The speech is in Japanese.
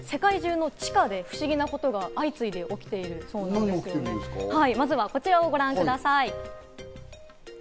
今、世界中の地下で不思議なことが相次いで起きているそうなんですが、まずはこちらをご覧ください。